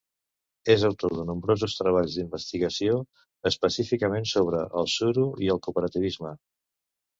És autor de nombrosos treballs d'investigació, especialment sobre el suro i el cooperativisme.